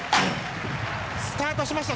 スタートしました！